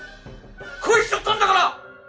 恋しちゃったんだから！